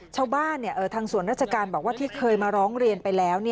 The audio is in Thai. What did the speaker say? ชาวบ้านทางสวนรัชกาลที่เคยมาร้องเรียนไปแล้ว